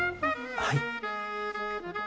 はい。